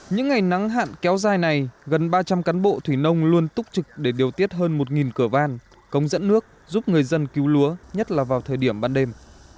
những ngày nắng hạn kéo dài này gần ba trăm linh cán bộ thủy nông luôn túc trực để điều tiết hơn một cửa van công dẫn nước giúp người dân cứu lúa nhất là vào thời điểm ban đêm